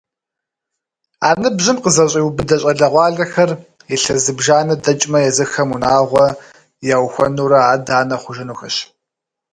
А ныбжьым къызэщӏиубыдэ щӏалэгъуалэхэр илъэс зыбжанэ дэкӏмэ езыхэм унагъуэ яухуэнурэ адэ-анэ хъужынухэщ.